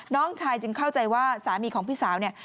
น้องชายจึงเข้าใจว่าสามีของพี่สาวเนี่ย